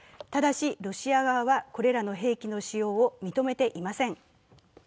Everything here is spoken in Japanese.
ただしロシア側はこれらの兵器の使用を認めていません。